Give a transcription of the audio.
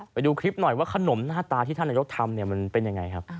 ไปดูคลิปหน่อยว่าขนมหน้าตาที่ท่านนายกทำเนี่ยมันเป็นยังไงครับ